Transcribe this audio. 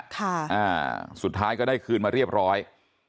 สวัสดีครับคุณผู้ชาย